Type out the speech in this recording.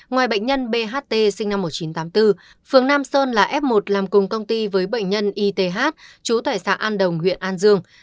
ngoài bệnh nhân bht sinh năm một nghìn chín trăm tám mươi bốn phường nam sơn là f một làm cùng công ty với bệnh nhân ith trú tại xã an đồng huyện an dương